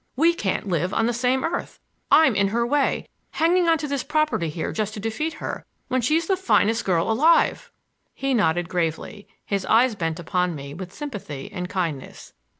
We can't live on the same earth. I'm in her way, hanging on to this property here just to defeat her, when she's the finest girl alive!" He nodded gravely, his eyes bent upon me with sympathy and kindness.